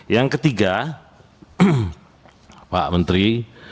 yang ketiga pak menteri